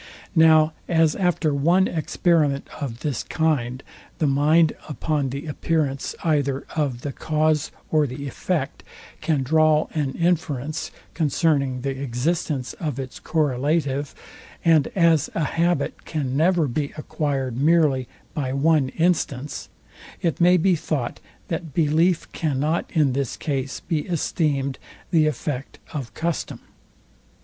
Now as after one experiment of this kind, the mind, upon the appearance either of the cause or the effect, can draw an inference concerning the existence of its correlative; and as a habit can never be acquired merely by one instance; it may be thought, that belief cannot in this case be esteemed the effect of custom.